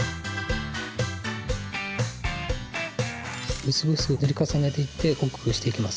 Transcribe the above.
うすくうすく塗り重ねていってこくしていきます。